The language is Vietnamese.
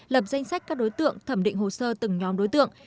lập danh sách các đối tượng thẩm định hồ sơ từng nhóm đối tượng